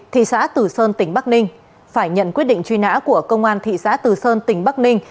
thị xã tử sơn tỉnh bắc ninh phải nhận quyết định truy nã của công an thị xã từ sơn tỉnh bắc ninh